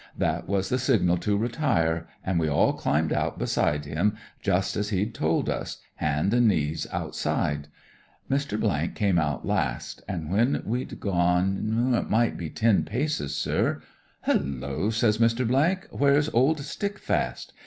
That was the signal to retire, an' we all climbed out beside him, just as he'd told us : hand an' knees outside. Mr. come out last, an' when we'd gone it might be ten paces, sir. Hullo 1 ' says Mr. — ii t ,* Where's old Stickfast